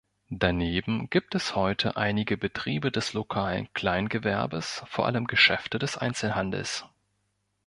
Daneben gibt es heute einige Betriebe des lokalen Kleingewerbes, vor allem Geschäfte des Einzelhandels.